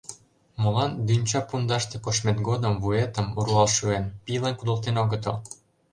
Молан дӱнча пундаште коштмет годым вуетым, руал шуэн, пийлан кудалтен огытыл?!